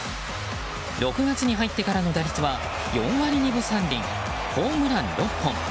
６月に入ってからの打率は４割２分３厘、ホームラン６本。